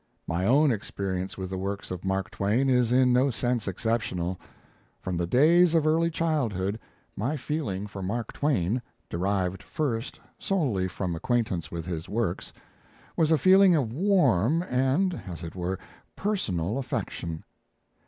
My own experience with the works of Mark Twain is in no sense exceptional. From the days of early childhood, my feeling for Mark Twain, derived first solely from acquaintance with his works, was a feeling of warm and, as it were, personal affection.